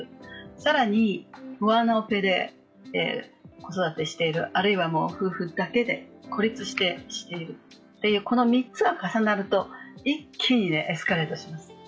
更にワンオペで子育てしている、あるいは夫婦だけで孤立してしている、この３つが重なると、一気にエスカレートします。